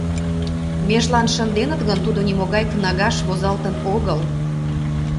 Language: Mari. Межлан шынденыт гын, тудо нимогай кнагаш возалтын огыл.